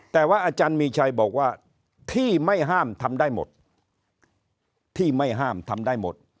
แต่ว่าอาจารย์มีชัยบอกว่าที่ไม่ห้ามทำได้หมด